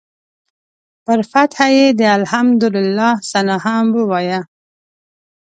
پر فتحه یې د الحمدلله ثناء هم وایه.